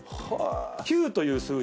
９という数字